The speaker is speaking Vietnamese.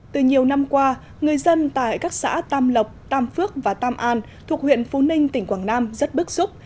từ nhiều năm qua người dân tại các xã tam lộc tam phước và tam an thuộc huyện phú ninh tỉnh quảng nam rất bức xúc